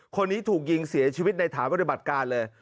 คนนี้ถูกยิงเสียชีวิตในฐานปฏิบัติการเลย